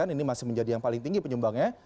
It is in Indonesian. ini masih menjadi yang paling tinggi penyumbangnya